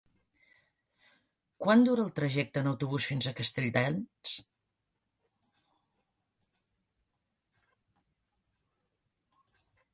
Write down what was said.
Quant dura el trajecte en autobús fins a Castelldans?